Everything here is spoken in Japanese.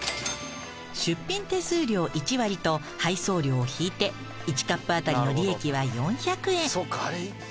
出品手数料１割と配送料を引いて１カップ当たりの利益は４００円。